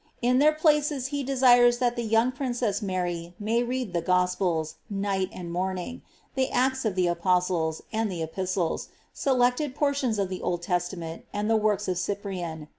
In their places he desires that the young princess Mary may mKl die Gospels, night and morning, the Acts of the Apostles, and the Epistlo. selected portions of the Old Testament, and the works of Cypriui.